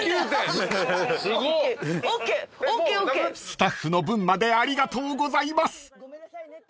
［スタッフの分までありがとうございます］